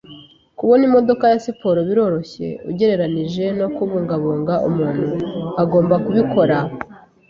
Kubona imodoka ya siporo biroroshye, ugereranije no kubungabunga umuntu agomba kubikora.